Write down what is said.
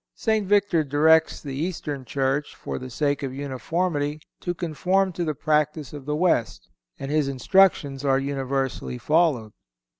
St. Victor directs the Eastern churches, for the sake of uniformity, to conform to the practice of the West, and his instructions are universally followed.